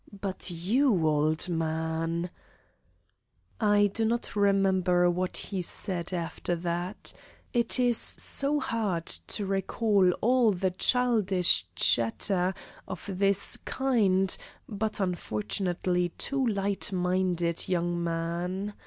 But you, old man " I do not remember what he said after that it is so hard to recall all the childish chatter of this kind, but unfortunately too light minded young man.